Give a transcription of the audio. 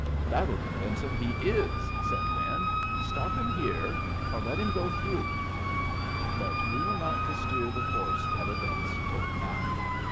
"That'll convince 'em he is," said Lin. "Stop him here, or let him go through." But we were not to steer the course that events took now.